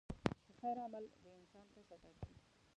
د خیر عمل د انسان کچه ټاکي.